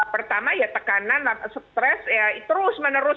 pertama ya tekanan stres ya terus menerus